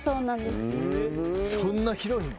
そんな広いの？